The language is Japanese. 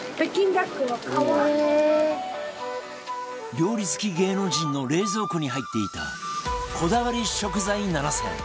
料理好き芸能人の冷蔵庫に入っていたこだわり食材７選